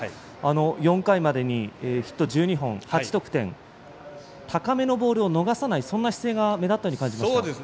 ４回までにヒット１２本８得点、高めのボールを逃さないそんな姿勢が目立ったような気がしました。